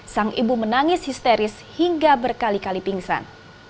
sang ibu menangis histeris hingga berkali kali pingsan